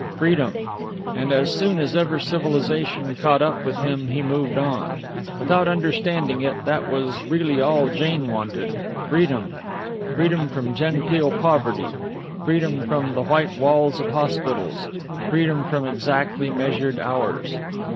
Freedom! And as soon as ever civilization caught up with him he moved on. Without understanding it, that was really all Jane wanted freedom. Freedom from genteel poverty, freedom from the white walls of hospitals, freedom from exactly measured hours.